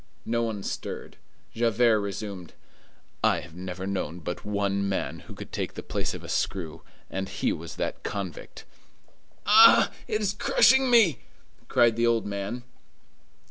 No one stirred. Javert resumed:— "I have never known but one man who could take the place of a screw, and he was that convict." "Ah! It is crushing me!" cried the old man.